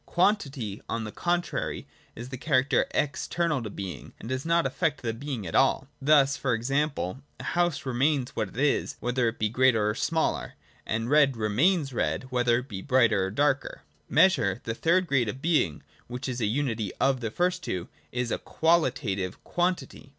Quantity, on the contrary, is the character external to being, and does not affect the being at all. Thus e. g. a house re mains what it is, whether it be greater or smaller ; and red remains red, whether it be brighter or darker. Measure, the third grade of being, which is the unity of the first two, is a qualitative quantity.